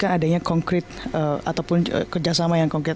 jadi intinya itu dan indonesia siap untuk melakukan kerja secara berkualitas